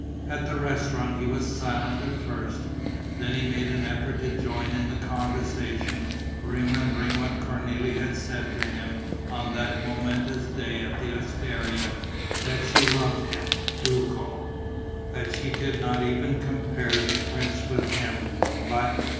At the restaurant he was silent at first. Then he made an effort to join in the conversation, remembering what Cornélie had said to him on that momentous day at the osteria: that she loved him, Duco; that she did not even compare the prince with him; but